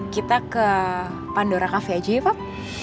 kita ke pandora cafe aja ya pak